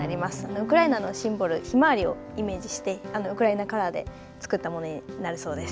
ウクライナのシンボル、ひまわりをイメージしてウクライナカラーで作ったものになるそうです。